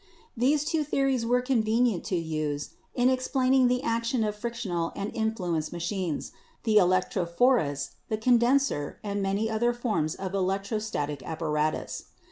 These two theories were convenient to use in explain ing the action of frictional and influence machines, the electrophorus, the condenser and many other forms of NATURE AND FORCE 143 electrostatic apparatus.